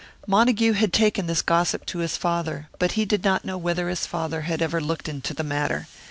Montague had taken this gossip to his father, but he did not know whether his father had ever looked into the matter.